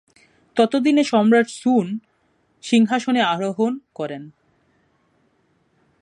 ততদিনে সম্রাট সুন সিংহাসনে আরোহণ করেন।